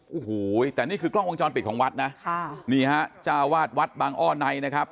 โอ้โหแต่นี่คือกล้องวงจรปิดของวัดนะค่ะนี่ฮะจ้าวาดวัดบางอ้อในนะครับ